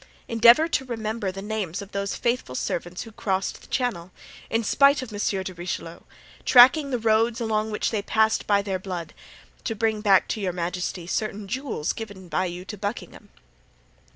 "Endeavor to remember the names of those faithful servants who crossed the Channel, in spite of Monsieur de Richelieu, tracking the roads along which they passed by their blood, to bring back to your majesty certain jewels given by you to Buckingham."